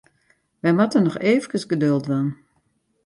Wy moatte noch eefkes geduld dwaan.